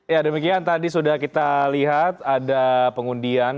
ya demikian tadi sudah kita lihat ada pengundian